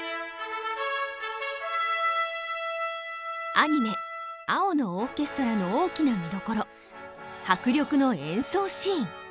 アニメ「青のオーケストラ」の大きな見どころ迫力の演奏シーン。